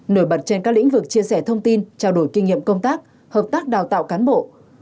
nổi bật trên các lĩnh vực chia sẻ thông tin trao đổi kinh nghiệm công tác hợp tác đào tạo cán bộ